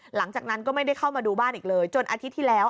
หลังจากนั้นก็ไม่ได้เข้ามาดูบ้านอีกเลยจนอาทิตย์ที่แล้ว